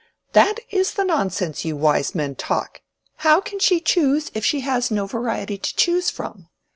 "That is the nonsense you wise men talk! How can she choose if she has no variety to choose from?